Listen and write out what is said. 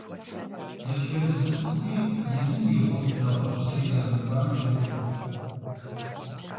Дэтхэнэ зы зы цӏыхури езым и гъуэгу, нэгъуэщӀ зыри зэрымыкӀуам, ирокӀуэ.